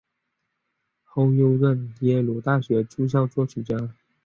后又任耶鲁大学驻校作曲家。